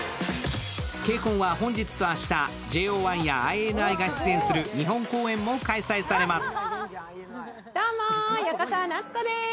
「ＫＣＯＮ」は本日と明日、ＪＯ１やＩＮＩが出演する日本公演も開催されます。